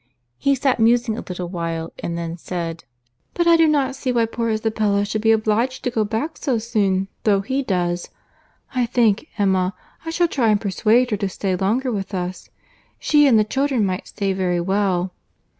He sat musing a little while, and then said, "But I do not see why poor Isabella should be obliged to go back so soon, though he does. I think, Emma, I shall try and persuade her to stay longer with us. She and the children might stay very well."